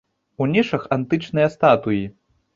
У нішах антычныя статуі.